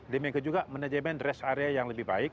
demikian juga manajemen rest area yang lebih baik